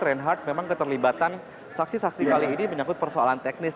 reinhardt memang keterlibatan saksi saksi kali ini menyangkut persoalan teknis